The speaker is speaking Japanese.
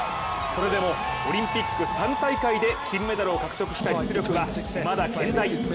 それでもオリンピック３大会で金メダルを獲得した実力はまだ健在。